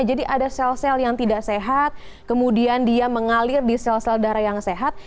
jadi ada sel sel yang tidak sehat kemudian dia mengalir di sel sel darah yang sehat